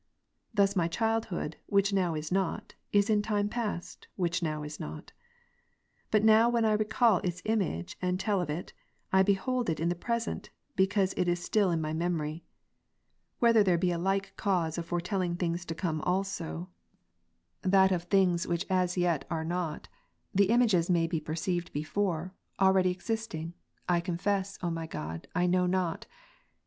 Thus my childhood, which now is not, is in time past, which now is not : but now when I recall its im age, and tell of it, I behold it in the present, because it is still in my memory. Whether there be a like cause of foretelling 238 The future present to the mind, by its signs or causes. CONF. things to come also ; that of things which as yet are not, the ^^^'. images maybe perceived before, abeady existing, I confess, O my God, I know not.